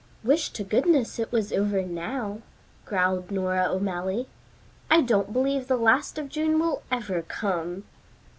"Wish to goodness it was over now," growled Nora O'Malley. "I don't believe the last of June will ever come."